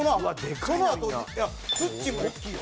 そのあとつっちーも大きいよ。